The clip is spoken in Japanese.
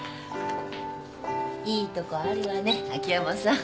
いいとこあるわね秋山さん。